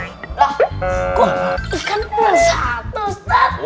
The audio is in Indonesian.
kok ikan puluh satu ustadz